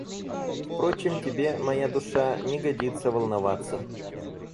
Впрочем, тебе, моя душа, не годится волноваться.